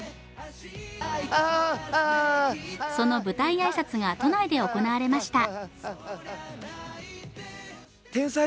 その舞台挨拶が都内で行われました。